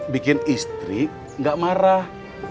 bikin istri gak marah